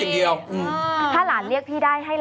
อย่าลุงป้าหรืออีกคำแน่